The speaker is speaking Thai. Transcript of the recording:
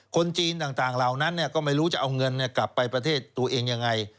คนจีนต่างเหล่านั้นก็ไม่รู้จะเอาเงินกลับไปประเทศตัวเองยังไง